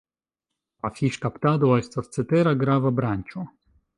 La fiŝkaptado estas cetera grava branĉo.